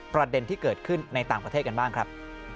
ประเด็นที่เกิดขึ้นในต่างประเทศกันบ้างครับ